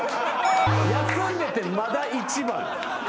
休んでてまだ一番。